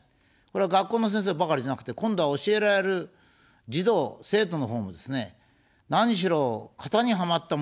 これは学校の先生ばかりじゃなくて、今度は教えられる児童、生徒のほうもですね、何しろ、型にはまったものしかできないと。